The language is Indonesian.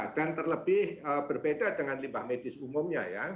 dan terlebih berbeda dengan limbah medis umumnya